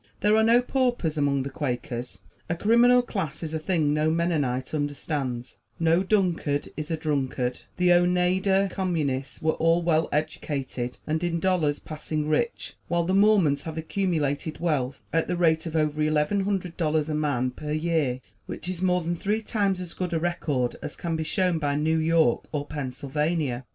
There are no paupers among the Quakers, a "criminal class" is a thing no Mennonite understands, no Dunkard is a drunkard, the Oneida Communists were all well educated and in dollars passing rich, while the Mormons have accumulated wealth at the rate of over eleven hundred dollars a man per year, which is more than three times as good a record as can be shown by New York or Pennsylvania.